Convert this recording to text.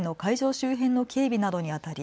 周辺の警備などにあたり